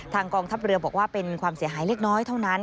กองทัพเรือบอกว่าเป็นความเสียหายเล็กน้อยเท่านั้น